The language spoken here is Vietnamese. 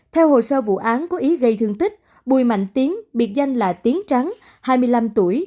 theo hồ sơ vụ án cố ý gây thương tích bùi mạnh tiến biệt danh là tiến trắng hai mươi năm tuổi